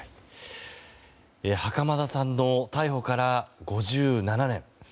袴田さんの逮捕から５７年。